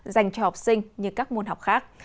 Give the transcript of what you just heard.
dành cho học sinh như các môn học khác